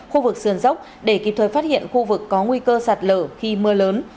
khu vực sườn dốc để kịp thời phát hiện khu vực có nguy cơ sạt lở khi mưa lớn